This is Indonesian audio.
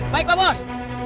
baik pak bos